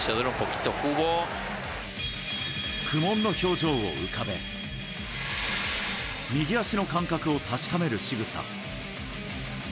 苦悶の表情を浮かべ右足の感覚を確かめるしぐさ。